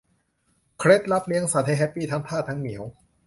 เคล็ดลับเลี้ยงสัตว์ให้แฮปปี้ทั้งทาสทั้งเหมียว